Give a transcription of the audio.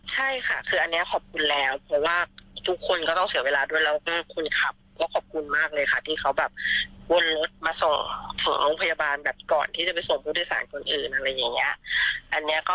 ใช่ค่ะคืออันนี้ขอบคุณแล้วเพราะว่าทุกคนก็ต้องเสียเวลาด้วยแล้วก็คุณคับ